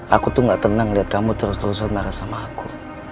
aku tuh ga tenang liat kamu terus terusan marah sama aku